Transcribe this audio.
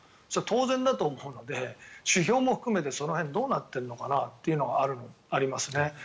それは当然だと思うので指標も含めてその辺どうなっているのかなというのはあります。